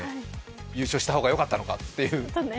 優勝した方がよかったのかという。